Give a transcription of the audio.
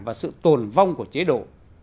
và sự tồn vong của chế độ